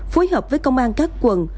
phối hợp với công an các quận